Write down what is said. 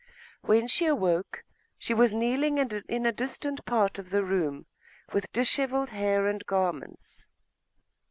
When she awoke, she was kneeling in a distant part of the room, with dishevelled hair and garments.